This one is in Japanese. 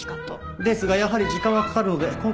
ですがやはり時間はかかるので今回は使えないです。